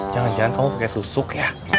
jangan jangan kamu pakai susuk ya